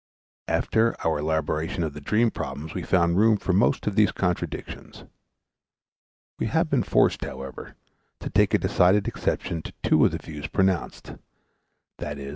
After our elaboration of the dream problems we found room for most of these contradictions. We have been forced, however, to take decided exception to two of the views pronounced, viz.